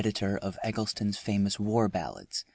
From Eggleston's Famous War Ballads.